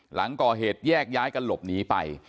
หลังก่อเหตุแยกย้ายกันหลบหนีไป